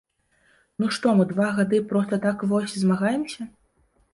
Ну што мы два гады проста так вось змагаемся?